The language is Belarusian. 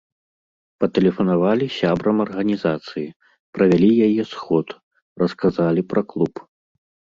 Патэлефанавалі сябрам арганізацыі, правялі яе сход, расказалі пра клуб.